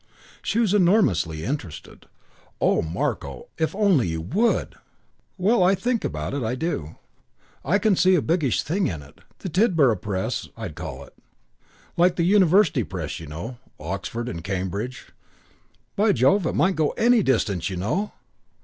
She was enormously interested. "Oh, Marko, if only you would!" "Well, I think about it. I do. I can see a biggish thing in it. The Tidborough Press, I'd call it. Like the University Press, you know, Oxford and Cambridge. By Jove, it might go any distance, you know!"